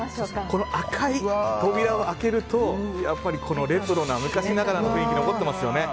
この赤い扉を開けるとレトロな昔ながらの雰囲気が残っていますよね。